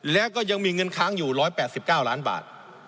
แล้วก็ยังมีเงินค้างอยู่๑๘๙ล้านบาท